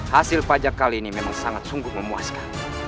hasil pajak kali ini memang sangat sungguh memuaskan